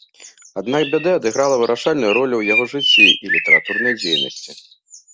Аднак бяда адыграла вырашальную ролю ў яго жыцці і літаратурнай дзейнасці.